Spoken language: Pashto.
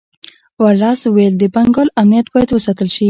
ورلسټ ویل د بنګال امنیت باید وساتل شي.